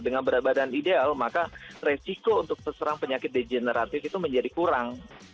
dengan berat badan ideal maka resiko untuk terserang penyakit degeneratif itu menjadi kurang